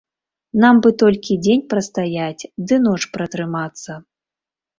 Нам бы толькі дзень прастаяць ды ноч пратрымацца.